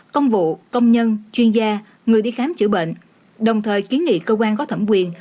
công vụ công nhân chuyên gia người đi khám chữa bệnh đồng thời kiến nghị cơ quan có thẩm quyền